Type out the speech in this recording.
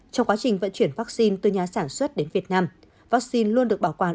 trong quá trình vận chuyển vaccine từ nhà sản xuất đến việt nam vaccine luôn được bảo quản